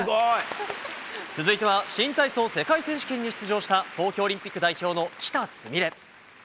続いては新体操世界選手権に出場した東京オリンピック代表の喜田純鈴。